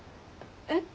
えっ？